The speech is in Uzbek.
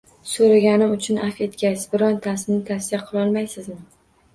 So`raganim uchun avf etgaysiz, birontasini tavsiya qilolmaysizmi